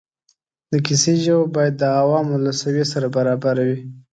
د کیسې ژبه باید د عوامو له سویې سره برابره وي.